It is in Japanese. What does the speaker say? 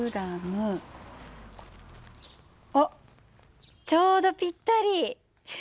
あっちょうどぴったり。